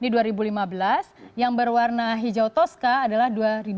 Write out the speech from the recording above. di dua ribu lima belas yang berwarna hijau toska adalah dua ribu delapan belas